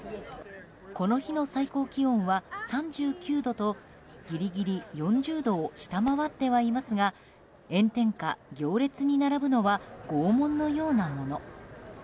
この日の最高気温は３９度とギリギリ４０度を下回ってはいますが炎天下、行列に並ぶのは拷問のようなもの。